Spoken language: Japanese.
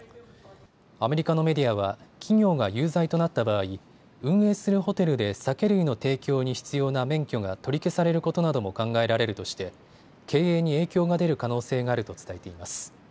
アメリカのメディアは企業が有罪となった場合、運営するホテルで酒類の提供に必要な免許が取り消されることなども考えられるとして経営に影響が出る可能性があると伝えています。